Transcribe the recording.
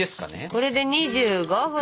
これで２５分。